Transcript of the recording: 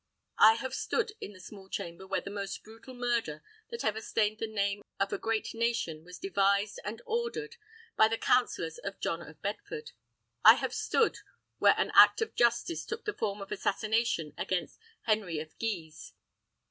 I have stood in the small chamber where the most brutal murder that ever stained the name of a great nation was devised and ordered by the counselors of John of Bedford. I have stood where an act of justice took the form of assassination against Henry of Guise.